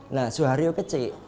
nah suharyo kecik